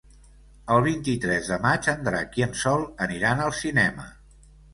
El vint-i-tres de maig en Drac i en Sol aniran al cinema.